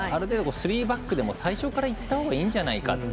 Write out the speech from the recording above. スリーバックでも最初からいったほうがいいんじゃないかなって。